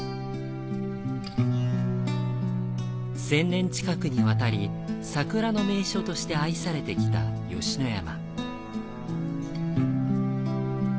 千年近くにわたり、桜の名所として愛されてきた吉野山。